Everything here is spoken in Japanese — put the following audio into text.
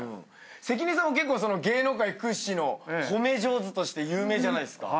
関根さんも結構芸能界屈指の褒め上手として有名じゃないっすか。